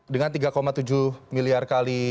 dengan tiga tujuh miliar kali